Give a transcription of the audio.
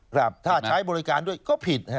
ถ้าใช้บริการด้วยก็ผิด